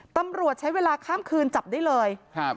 ตำรวจใช้เวลาข้ามคืนจับได้เลยครับ